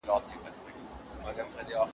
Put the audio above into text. ژبه باید د هر رښتيني ليکوال لپاره مهمه وي.